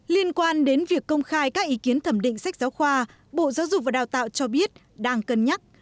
liên quan đến việc công khai các ý kiến thẩm định sách giáo khoa bộ giáo dục và đào tạo cho biết đang cân nhắc